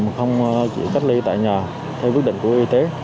công an phường không chỉ cách ly tại nhà theo quyết định của y tế